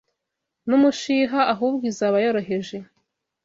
n’umushiha, ahubwo izaba yoroheje